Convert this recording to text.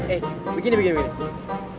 eh begini begini begini